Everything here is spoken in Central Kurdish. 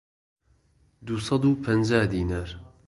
دوو سەد و پەنجا دینار